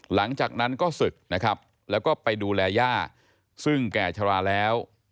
หลังจากนั้นก็ศึกนะครับแล้วก็ไปดูแลย่าซึ่งแก่ชะลาแล้ว